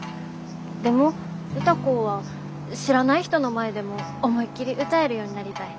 でも歌子は知らない人の前でも思いっきり歌えるようになりたい。